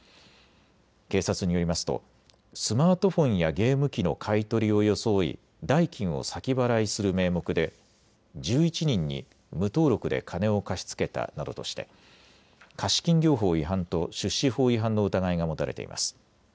警察によりますとスマートフォンやゲーム機の買い取りを装い代金を先払いする名目で１１人に無登録で金を貸し付けたなどとして貸金業法違反と出資法違反の疑いが持たれています。